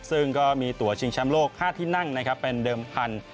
ซึ่งก็มีตัวชิงแชมป์โลก๕ที่นั่งนะครับเป็นเดิมพันธุ